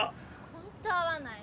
本当合わない。